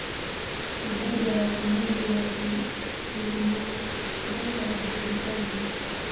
Idadi ya wasemaji wa Kihmong-Dô haijulikani.